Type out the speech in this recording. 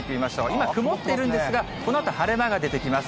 今、曇っているんですが、このあと晴れ間が出てきます。